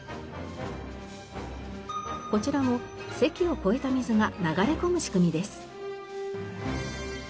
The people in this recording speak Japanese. こちらも堰を越えた水が流れ込む仕組みです。